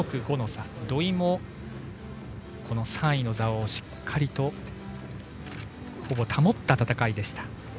土井もこの３位の座をしっかりとほぼ保った戦いでした。